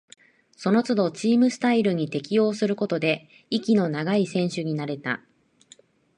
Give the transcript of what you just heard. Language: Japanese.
そのつどチームスタイルに適応することで、息の長い選手になれた